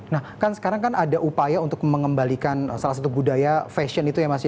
nah kan sekarang kan ada upaya untuk mengembalikan salah satu budaya fashion itu ya mas ya